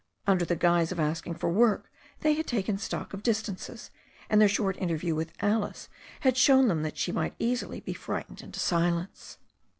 Under the guise of asking for work they had taken stock of distances, and their short interview with Alice had shown them that she might easily be fright ened into silence.